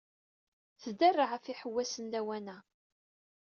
Tderreɛ ɣef iḥewwasen lawan-a.